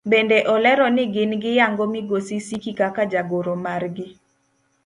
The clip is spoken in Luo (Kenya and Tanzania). Bende olero ni gin giyango migosi Siki kaka jagoro margi.